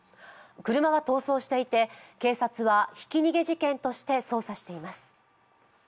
車は逃走していて、警察はひき逃げ事件として捜査しています。